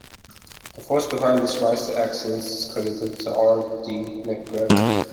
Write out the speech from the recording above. The force behind this rise to excellence is credited to R. D. McGregor.